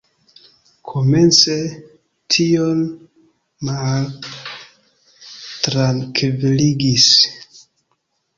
Komence tio min maltrankviligis.